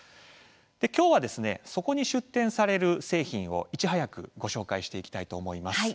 今日はそこに出展される製品をいち早くご紹介したいと思います。